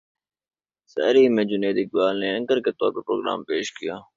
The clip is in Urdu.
سحری میں جنید اقبال نے اینکر کے طور پر پروگرام پیش کیا